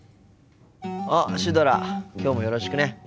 あっシュドラきょうもよろしくね。